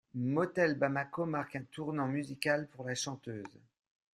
Motel Bamako marque un tournant musical pour la chanteuse.